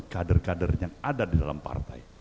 kader kader yang ada di dalam partai